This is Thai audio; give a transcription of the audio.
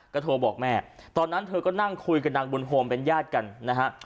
ก็โทรบอกแม่ตอนนั้นเธอก็นั่งคุยกับนางบุญโฮมเป็นญาติกันนะฮะ